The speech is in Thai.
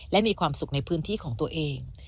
และมีความสุขในพื้นที่ของตัวเอง